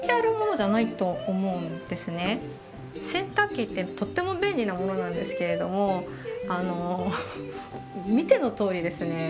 洗濯機ってとっても便利なものなんですけれども見てのとおりですね